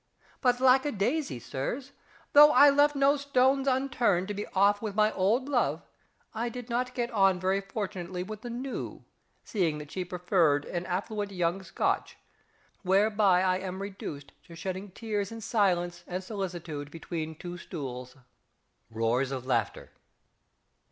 But, lack a daisy, Sirs! though I left no stones unturned to be off with my Old Love, I did not get on very fortunately with the New, seeing that she preferred an affluent young Scotch, whereby I am reduced to shedding tears in silence and solicitude between two stools! (_Roars of laughter.